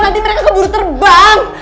nanti mereka keburu terbang